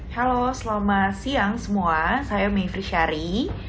halo selamat siang semua saya mayfri syari